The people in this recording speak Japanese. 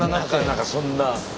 何かそんな。